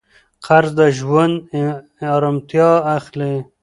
قرض د ژوند ارامتیا اخلي.